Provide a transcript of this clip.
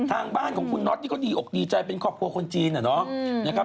ทางบ้านของคุณน็อตนี่ก็ดีอกดีใจเป็นครอบครัวคนจีนอะเนาะนะครับ